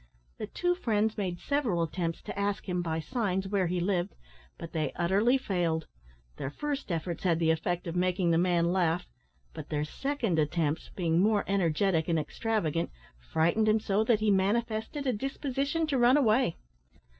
The two friends made several attempts to ask him, by signs, where he lived, but they utterly failed. Their first efforts had the effect of making the man laugh, but their second attempts, being more energetic and extravagant, frightened him so that he manifested a disposition to run away.